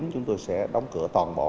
chúng tôi sẽ đóng cửa toàn bộ